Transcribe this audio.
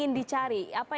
jadi delapan dahulu